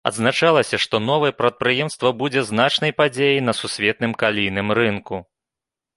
Адзначалася, што новае прадпрыемства будзе значнай падзеяй на сусветным калійным рынку.